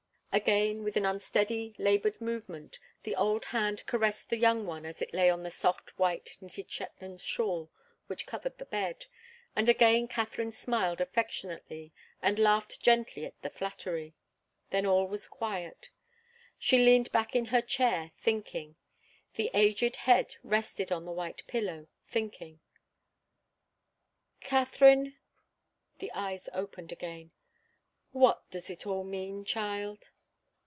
Again, with an unsteady, laboured movement, the old hand caressed the young one as it lay on the soft, white, knitted Shetland shawl which covered the bed, and again Katharine smiled affectionately and laughed gently at the flattery. Then all was quiet. She leaned back in her chair, thinking the aged head rested on the white pillow, thinking. "Katharine," the eyes opened again, "what does it all mean, child?"